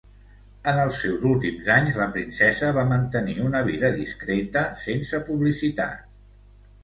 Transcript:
En els seus últims anys, la princesa va mantenir una vida discreta sense publicitat.